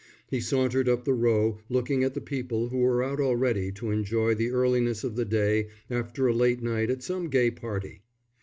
He sauntered up the Row looking at the people who were out already to enjoy the earliness of the day after a late night at some gay party.